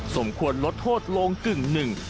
สมควรลดโทษลงกึ่งหนึ่ง